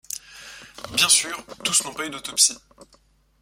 Bien sûr, tous n'ont pas eu d'autopsie.